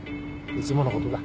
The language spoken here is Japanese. いつものことだ。